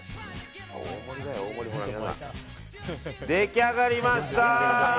出来上がりました！